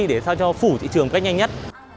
để sao cho phủ thị trường cách nhanh nhất